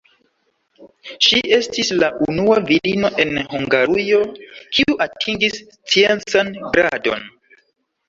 Ŝi estis la unua virino en Hungarujo, kiu atingis sciencan gradon.